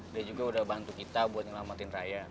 dia juga udah bantu kita buat nyelamatin raya